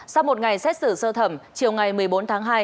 sau một ngày xét xử sơ thẩm chiều ngày một mươi bốn tháng hai